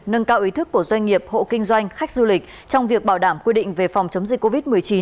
nâng cao ý thức của doanh nghiệp hộ kinh doanh khách du lịch trong việc bảo đảm quy định về phòng chống dịch covid một mươi chín